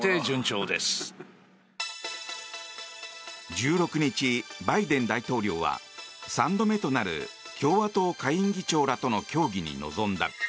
１６日、バイデン大統領は３度目となる共和党下院議長らとの協議に臨んだ。